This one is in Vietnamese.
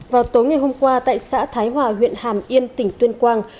vào tối ngày hôm qua tại xã thái hòa huyện hàm yên tỉnh tuyên quang